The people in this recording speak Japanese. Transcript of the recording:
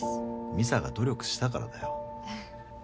美沙が努力したからだよ。